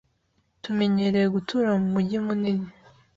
Tumenyereye gutura mumujyi munini.